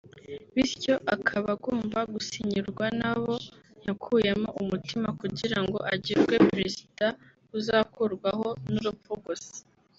bityo akaba agomba gusinyirwa n’abo yakuyemo umutima kugira ngo agirwe Perezida uzakurwaho n’urupfu gusa